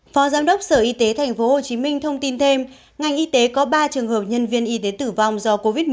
phó giám đốc sở y tế tp hcm thông tin thêm ngành y tế có ba trường hợp nhân viên y tế tử vong do covid một mươi chín